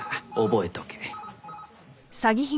覚えとけ。